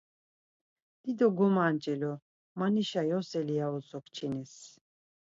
Dido gomanç̌elu, manişa yoseli ya utzu kçinis.